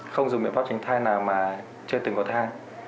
không dùng biện pháp tránh thai nào mà chưa từng có thai